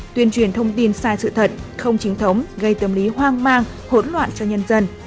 tuyên truyền thông tin sai sự thật không chính thống gây tâm lý hoang mang hỗn loạn cho nhân dân